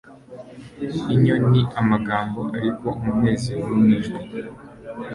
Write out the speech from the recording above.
inyo ni amagambo ariko umunezero nijwi